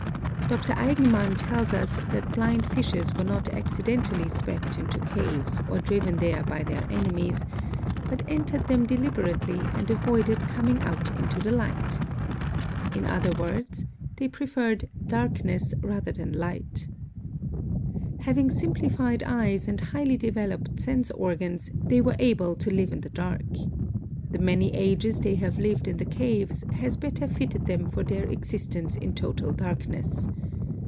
Dr. Eigenmann tells us that Blind Fishes were not accidentally swept into caves or driven there by their enemies, "but entered them deliberately and avoided coming out into the light." In other words, they preferred "darkness rather than light." Having simplified eyes and highly developed sense organs, they were able to live in the dark. The many ages they have lived in the caves has better fitted them for their existence in total darkness.